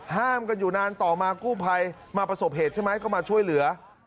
ห้ามกันอยู่นานต่อมากู้ภัยมาประสบเหตุใช่ไหมก็มาช่วยเหลือ